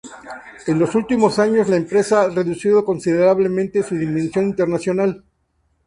En los últimos años la empresa ha reducido considerablemente su dimensión internacional.